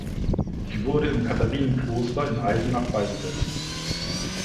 Sie wurde im Katharinenkloster in Eisenach beigesetzt.